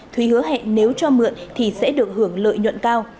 thúy hứa hẹn nếu cho mượn thì sẽ được hưởng lợi nhuận cao